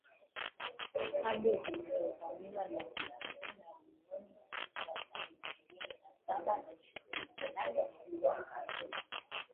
Kambi zilizovamiwa ni Tchanzu na Runyonyi, usiku wa tarehe ishirini na saba na ishirini na nane mwezi wa tatu